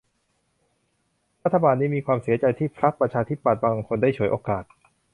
รัฐบาลนี้มีความเสียใจที่พรรคประชาธิปัตย์บางคนได้ฉวยโอกาส